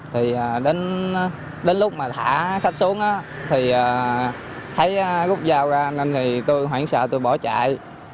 thì đến lúc mà thả khách xuống thì thấy gút dao ra nên thì tôi hoảng sợ tôi bỏ chạy